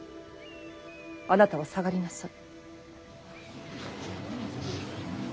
あなたは下がりなさい。